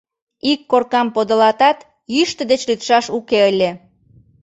Ик коркам подылатат, йӱштӧ деч лӱдшаш уке ыле!